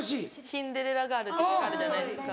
『シンデレラガール』っていう曲あるじゃないですか。